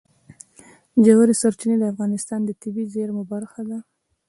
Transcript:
ژورې سرچینې د افغانستان د طبیعي زیرمو برخه ده.